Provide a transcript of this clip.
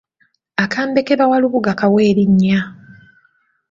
Akambe ke bawa lubuga kawe erinnya.